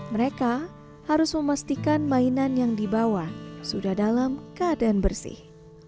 mereka harus memastikan mainan yang dibawa sudah dalam keadaan bersih